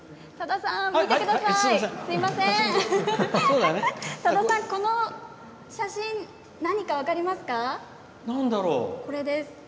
さださん、この写真何か分かりますか？